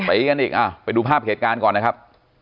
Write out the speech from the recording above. ไปปีกันอีกเอ้าอ่ะไปดูภาพเหตุการณ์ก่อนนะครับ